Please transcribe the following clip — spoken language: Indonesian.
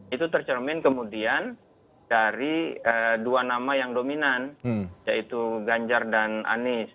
itu tercermin kemudian dari dua nama yang dominan yaitu ganjar dan anies